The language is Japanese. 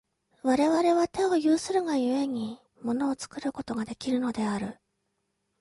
我々は手を有するが故に、物を作ることができるのである。